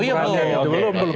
oh iya belum